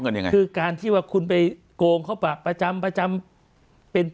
ยังไงคือการที่ว่าคุณไปโกงเขาปากประจำประจำเป็น